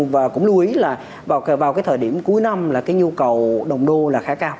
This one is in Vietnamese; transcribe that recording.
và cũng lưu ý là vào cái thời điểm cuối năm là cái nhu cầu đồng đô là khá cao